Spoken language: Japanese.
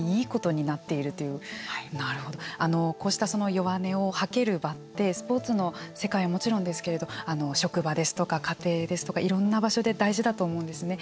こうした弱音を吐ける場ってスポーツの世界はもちろんですけれど職場ですとか、家庭ですとかいろんな場所で大事だと思うんですね。